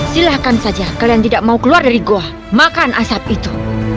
silahkan saja kalian tidak mau keluar dari goa makan asap itu